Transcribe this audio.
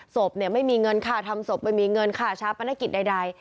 ศพไม่มีเงินค่าทำศพไม่มีเงินค่าชาปนกิจใด